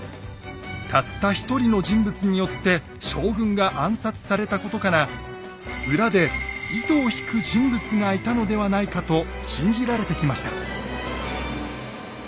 たった一人の人物によって将軍が暗殺されたことから裏で糸を引く人物がいたのではないかと信じられてきました。